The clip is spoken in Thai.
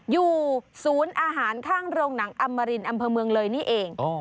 อยู่ศูนย์อาหารข้างโรงหนังอำมารินอำเภอเมืองเลยนี่เอง